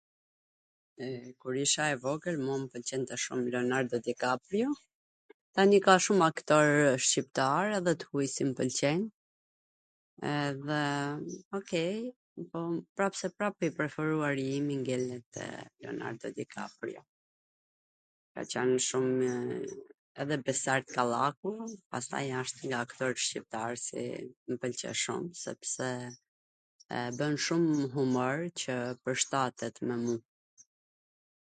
Kur isha e vogwl mu m pwlqente shum Leonardo Di Kaprio, tani ka shum aktorw shqiptar edhe t huj si m pwlqejn edhe OK por prapseprap i preferuari im ngeletw Leonardo Di Kaprio. Ka qwn shumw..., edhe Besart Kallaku, pastaj asht nga kto shqiptarwt se mw pwlqen shum, pse bwn shum humor qw pwrshtatet me mu.